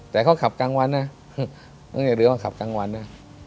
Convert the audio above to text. แต่เขาขับกลางวันนะนึกได้เลยว่าขับกลางวันนะ